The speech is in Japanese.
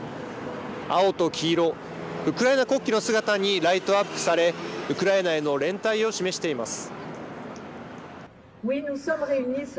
青と黄色ウクライナ国旗の姿にライトアップされウクライナへの連帯を示しています。